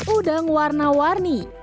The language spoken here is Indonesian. udang warna warni